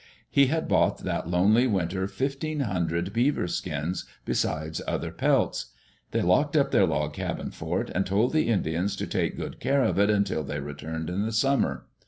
He had bought that lonely winter fifteen hundred beaver skins, besides other pelts. They locked up their log cabin fort, and told the Indians to take good care of it until they returned in the summer.